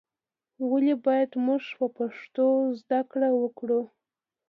ولې باید موږ په پښتو زده کړه وکړو؟